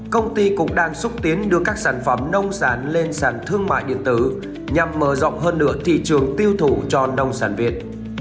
công ty cũng đang xúc tiến đưa các sản phẩm nông sản lên sàn thương mại điện tử nhằm mở rộng hơn nửa thị trường tiêu thụ cho nông sản việt